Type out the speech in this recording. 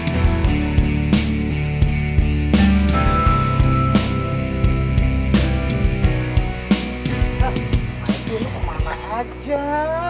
mas ini kemana saja